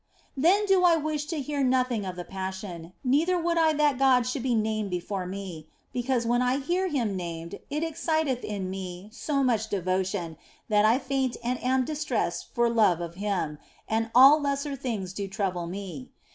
Then do I wish to hear nothing of the Passion, neither would I that God should be named before me, because when I hear Him named it exciteth in me so much de votion that I faint and am distressed for love of Him, and all lesser things do trouble me.